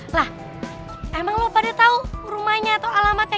lah emang lo pada tau rumahnya atau alamatnya